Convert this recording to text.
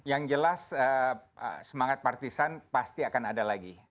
yang jelas semangat partisan pasti akan ada lagi